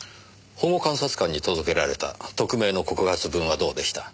保護観察官に届けられた匿名の告発文はどうでした？